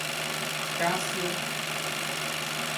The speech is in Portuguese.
Cássia